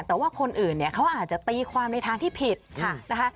แต่ว่าคนอื่นเนี่ยเขาอาจจะตีความในทางที่ผิดนะคะ